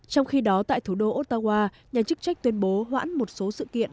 trong khi đó tại thủ đô otawa nhà chức trách tuyên bố hoãn một số sự kiện